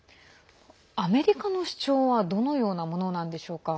アメリカの主張はどのようなものなんでしょうか？